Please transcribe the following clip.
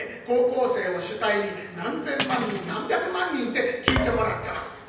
高校生を主体に何千万人何百万人って聴いてもらってます。